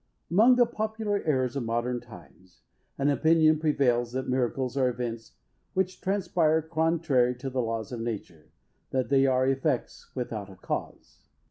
Among the popular errors of modern times, an opinion prevails that miracles are events which transpire contrary to the laws of nature, that they are effects without a cause.